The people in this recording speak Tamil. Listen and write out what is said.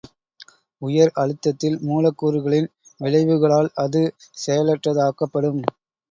உயர் அழுத்தத்தில் மூலக் கூறுகளின் விளைவுகளால் அது செயலற்றதாக்கப்படும்.